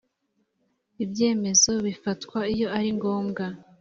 ibyemezo bifatwa iyo aringombwa.